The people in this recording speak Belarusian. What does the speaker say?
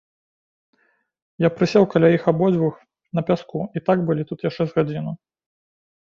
Я прысеў каля іх абодвух на пяску, і так былі тут яшчэ з гадзіну.